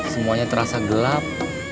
semuanya terasa gelap